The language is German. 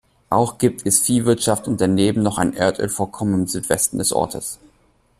Auch gibt es Viehwirtschaft und daneben noch ein Erdölvorkommen im Südwesten des Ortes.